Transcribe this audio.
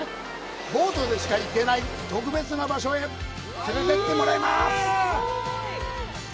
ボートでしか行けない特別な場所へ連れていってもらいます。